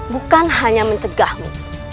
bukan hanya mencegahmu